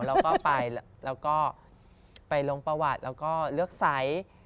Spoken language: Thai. หมอเขาเราก็ไปลงประวัติแล้วก็เลือกไซส์